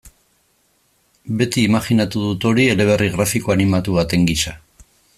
Beti imajinatu dut hori eleberri grafiko animatu baten gisa.